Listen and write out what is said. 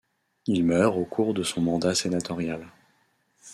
Il meurt au cours de son mandat sénatorial.